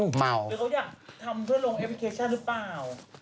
เมาหรือเขาอยากทำเพื่อลงแอปพลิเคชันหรือเปล่า